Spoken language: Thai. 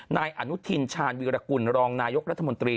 นายณรุทินสุทธิ์ชาญวิรกุลรองนายกรรฐมนตรี